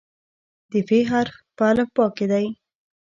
د "ف" حرف په الفبا کې دی.